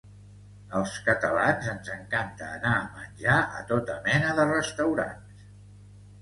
Als catalans ens encanta anar a menjar a tota mena de restaurants.